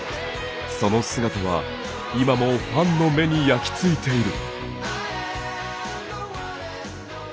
その姿は今もファンの目に焼き付いている。